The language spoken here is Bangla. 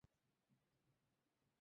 সে এই ট্রেনেই আছে।